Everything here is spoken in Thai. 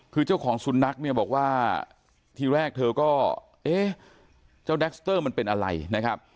คือเจ้าของสุนัขเนี่ยบอกว่าทีแรกเธอก็เอ๊ะเจ้าแดคสเตอร์มันเป็นอะไรนะครับ